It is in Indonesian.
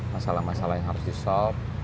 masalah masalah yang harus disop